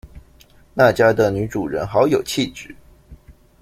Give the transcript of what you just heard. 那家的女主人好有氣質